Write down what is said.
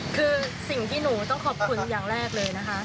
คือสิ่งที่หนูต้องขอบคุณอย่างแรกเลยนะคะ